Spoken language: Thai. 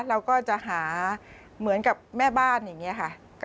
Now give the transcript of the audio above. เราก็จะหาเหมือนกับแม่บ้านอย่างนี้ค่ะ